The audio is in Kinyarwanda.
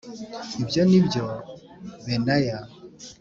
Ibyo ni byo benaya